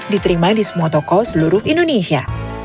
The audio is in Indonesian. diterima di semua toko seluruh indonesia